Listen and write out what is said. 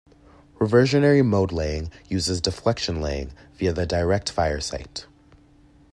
Reversionary mode laying uses deflection laying via the direct fire sight.